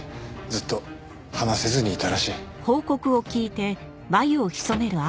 ずっと話せずにいたらしい。